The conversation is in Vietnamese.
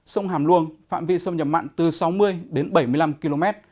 sông hàm luông phạm vi sâm nhập mặn từ sáu mươi đến bảy mươi năm km